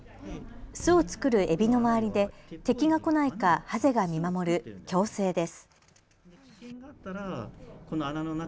巣を作るえびの周りで敵が来ないかはぜが見守る共生です。